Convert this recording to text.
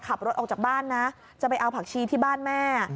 ขับรถออกจากบ้านนะจะไปเอาผักชีที่บ้านแม่